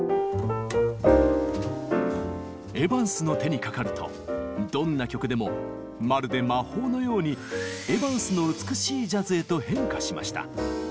エヴァンスの手にかかるとどんな曲でもまるで魔法のように「エヴァンスの美しいジャズ」へと変化しました。